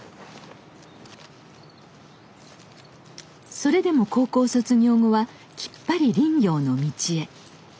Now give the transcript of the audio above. それでも高校卒業後はきっぱり林業の道へ。